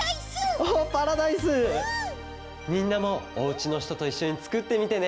みんなもおうちのひとといっしょにつくってみてね！